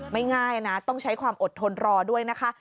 ง่ายนะต้องใช้ความอดทนรอด้วยนะคะ